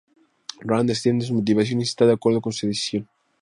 Rand entiende sus motivaciones y esta de acuerdo con su decisión.